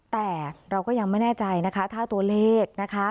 แต่เราก็ยังไม่แน่ใจนะคะถ้าตัวเลขนะคะ